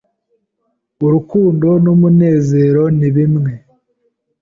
Urukundo n'umunezero ni bimwe.